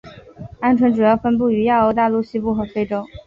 鹌鹑主要分布于欧亚大陆西部和非洲。